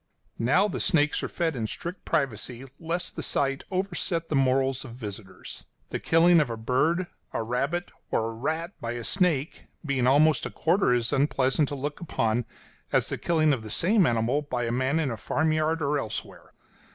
Now the snakes are fed in strict privacy lest the sight overset the morals of visitors; the killing of a bird, a rabbit, or a rat by a snake being almost a quarter as unpleasant to look upon as the killing of the same animal by a man in a farmyard or elsewhere.